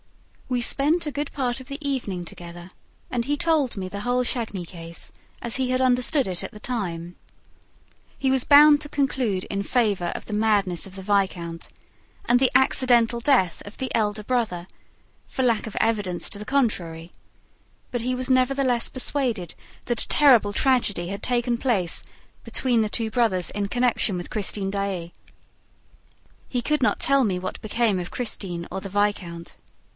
We spent a good part of the evening together and he told me the whole Chagny case as he had understood it at the time. He was bound to conclude in favor of the madness of the viscount and the accidental death of the elder brother, for lack of evidence to the contrary; but he was nevertheless persuaded that a terrible tragedy had taken place between the two brothers in connection with Christine Daae. He could not tell me what became of Christine or the viscount.